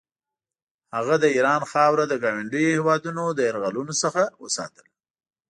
هغه د ایران خاوره د ګاونډیو هېوادونو له یرغلونو څخه وساتله.